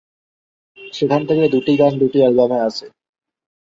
সেখান থেকে দুটি গান দুটি অ্যালবামে আসে।